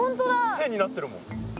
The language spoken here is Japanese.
線になってるもん。